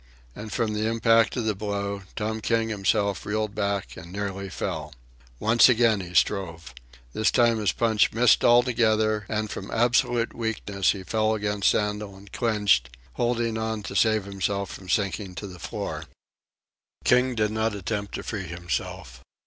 And, from the impact of the blow, Tom King himself reeled back and nearly fell. Once again he strove. This time his punch missed altogether, and, from absolute weakness, he fell against Sandel and clinched, holding on to him to save himself from sinking to the floor. King did not attempt to free himself.